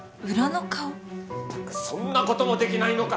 ったくそんなこともできないのか！